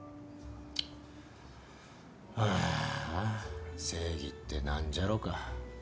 あーあ正義って何じゃろか。